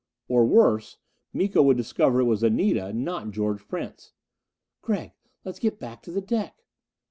Or worse Miko would discover it was Anita, not George Prince. "Gregg, let's get back to the deck."